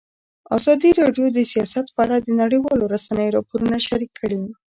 ازادي راډیو د سیاست په اړه د نړیوالو رسنیو راپورونه شریک کړي.